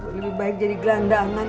lebih baik jadi gelandangan